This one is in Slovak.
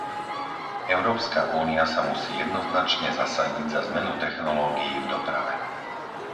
Európska únia sa musí jednoznačne zasadiť za zmenu technológií v doprave.